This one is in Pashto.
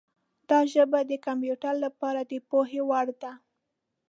دا ژبه د کمپیوټر لپاره د پوهې وړ ده.